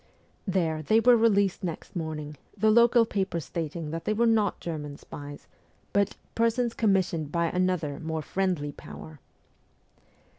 There they were released next morning, the local paper stating that they were not German spies but 'persons commissioned by another more friendly power.'